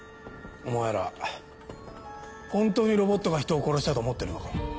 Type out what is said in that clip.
お前ら本当にロボットが人を殺したと思ってるのか？